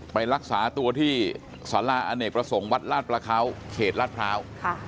ไปรักษาตัวที่สาราอเนกประสงค์วัดลาดประเขาเขตลาดพร้าว